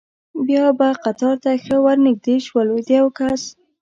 بیا به قطار ته ښه ور نږدې شول، د یو کس.